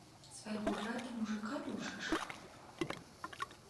Свайго брата мужыка душыш.